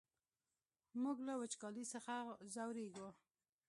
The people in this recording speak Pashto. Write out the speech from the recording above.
موږ له وچکالۍ څخه ځوريږو!